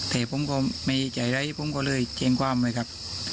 แต่ผมก็ไม่ใจเลยผมก็เลยเจ้งกว้ามเลยครับ